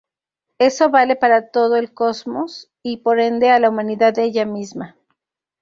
Eso vale para todo el cosmos y por ende a la humanidad ella misma.